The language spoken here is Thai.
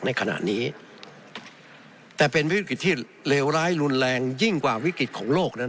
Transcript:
ในขณะนี้แต่เป็นวิกฤตที่เลวร้ายรุนแรงยิ่งกว่าวิกฤตของโลกนั้น